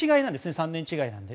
３年違いなので。